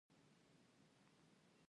ایا ستاسو ډوډۍ به پخه وي؟